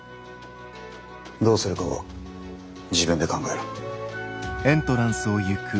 どうするかは自分で考えろ。